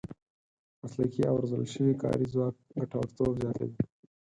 مسلکي او روزل شوی کاري ځواک ګټورتوب زیاتوي.